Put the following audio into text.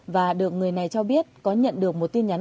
và được người này cho biết có nhận được một tin nhắn